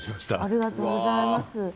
ありがとうございます。